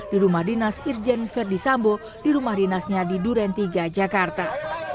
di rumah dinas irjen verdi sambu di rumah dinasnya di durentiga jakarta